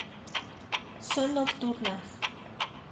Son nocturnas.